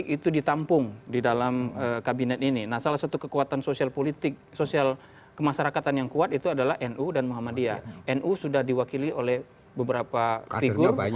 kita tinggalkanlah partai golkar dengan deklarasi